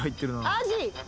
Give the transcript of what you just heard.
アジ。